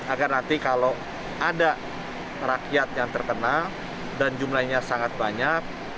agar nanti kalau ada rakyat yang terkena dan jumlahnya sangat banyak